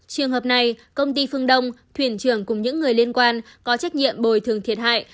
trường hợp này công ty phương đông thuyền trưởng cùng những người liên quan có trách nhiệm bồi thường thiệt hại